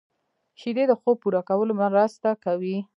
شیدې د خوب پوره کولو مرسته کوي